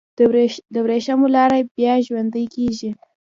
د وریښمو لاره بیا ژوندی کیږي؟